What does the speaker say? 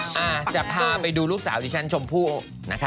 อาจจะพาไปดูลูกสาวดิฉันชมพู่นะคะ